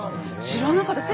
知らなかった！